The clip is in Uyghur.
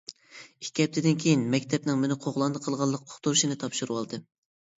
ئىككى ھەپتىدىن كېيىن مەكتەپنىڭ مېنى قوغلاندى قىلغانلىق ئۇقتۇرۇشىنى تاپشۇرۇۋالدىم.